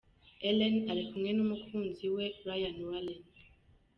Ellen ari kumwe n’umukunzi we Ryan Warren.